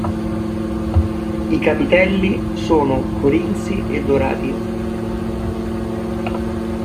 I capitelli sono corinzi e dorati.